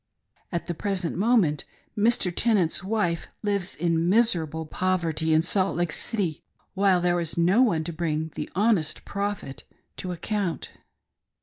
At the present moment Mr. Tenant's wife lives in miserable poverty in Salt Lake City, while there is no ojje to bring the honest Prophet to account.